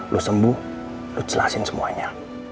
lo sembuh lo jelasin semuanya